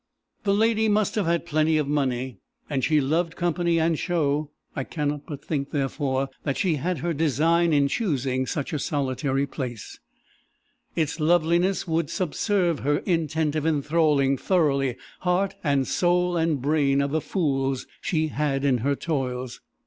"The lady must have had plenty of money, and she loved company and show; I cannot but think, therefore, that she had her design in choosing such a solitary place: its loveliness would subserve her intent of enthralling thoroughly heart and soul and brain of the fools she had in her toils.